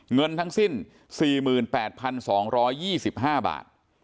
เงินทั้งสิ้น๔๘๒๒๕บาท